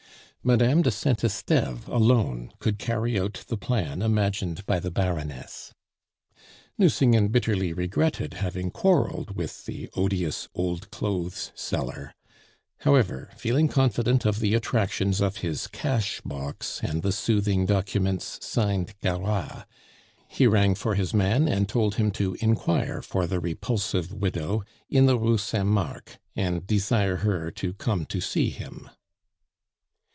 Madame de Saint Esteve alone could carry out the plan imagined by the Baroness. Nucingen bitterly regretted having quarreled with the odious old clothes seller. However, feeling confident of the attractions of his cash box and the soothing documents signed Garat, he rang for his man and told him in inquire for the repulsive widow in the Rue Saint Marc, and desire her to come to see him.